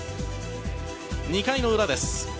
２回の裏です。